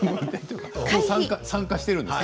参加しているんですね。